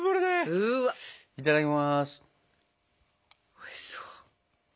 おいしそう。